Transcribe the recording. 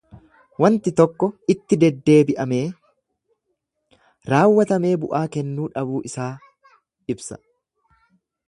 Wanti tokko itti deddeebi'amee raawwatamee bu'aa kennuu dhabuu isaa ibsa.